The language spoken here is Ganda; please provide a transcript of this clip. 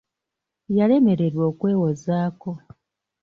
Yalemererwa okwewozaako.